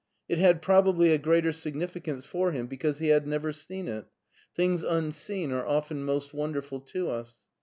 It had probably a greater significance for him because he had never seen it ; things unseen are often most wonderful to us.